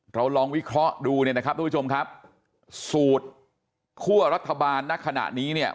เราลองวิเคราะห์ดูนะครับท่านผู้ชมครับสูตรขั้วรัฐบาลณขณะนี้เนี่ย